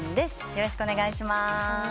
よろしくお願いします。